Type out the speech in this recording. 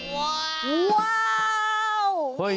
ว้าวว้าว